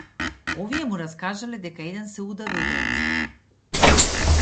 Овие му раскажале дека еден се удавил денеска.